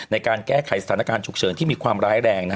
ในการแก้ไขสถานการณ์ฉุกเฉินที่มีความร้ายแรง